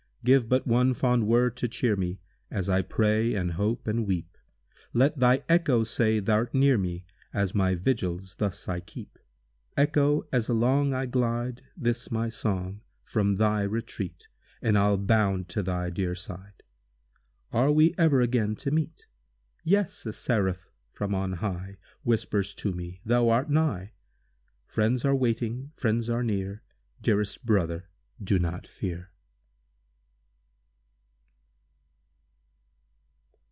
Give but one fond word to cheer me, As I pray, and hope, and weep! Let thy echo say thou'rt near me, As my vigils thus I keep! Echo, as along I glide, This my song, from thy retreat, And I'll bound to thy dear side! Are we e'er again to meet? Yes, a Seraph from on high Whispers to me, thou art nigh! Friends are waiting—friends are near— Dearest brother—do not fear!